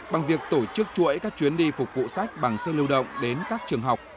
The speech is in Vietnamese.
bằng việc tổ chức chuỗi các chuyến đi phục vụ sách bằng sơ lưu động đến các trường học